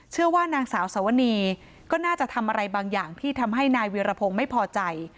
เชื่อว่านางสาวสวนีก็น่าจะทำอะไรบางอย่างที่ทำให้นายวิรพงศ์ไม่พอใจ